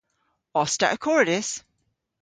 Os ta akordys?